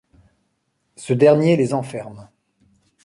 Ce dernier les enferme.